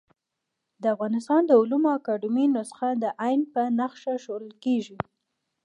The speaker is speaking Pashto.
د افغانستان د علومو اکاډيمۍ نسخه د ع په نخښه ښوول کېږي.